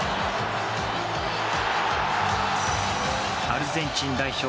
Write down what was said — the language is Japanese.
アルゼンチン代表